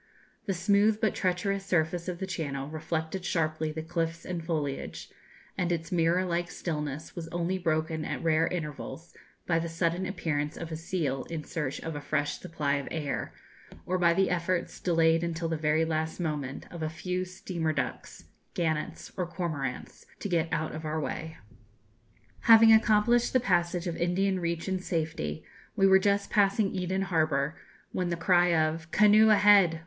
The smooth but treacherous surface of the channel reflected sharply the cliffs and foliage, and its mirror like stillness was only broken at rare intervals, by the sudden appearance of a seal in search of a fresh supply of air, or by the efforts, delayed until the very last moment, of a few steamer ducks, gannets, or cormorants, to get out of our way. Having accomplished the passage of Indian Reach in safety, we were just passing Eden Harbour, when the cry of 'Canoe ahead!'